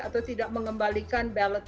atau tidak mengembalikan ballot